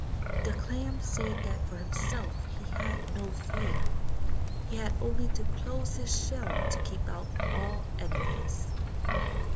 The clam said that for himself he had no fe^r; he had only to close his shell to keep out all enemies.